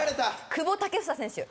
久保建英選手。